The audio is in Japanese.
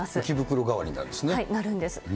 浮袋代わりになるんですね。